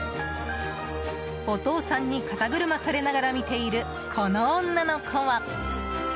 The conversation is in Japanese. お父さんに肩車されながら見ている、この女の子は。